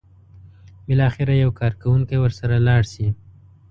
بالاخره یو کارکوونکی ورسره لاړ شي.